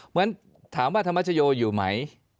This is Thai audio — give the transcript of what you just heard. เหมือนถามว่าธรรมชโยอยู่ไหม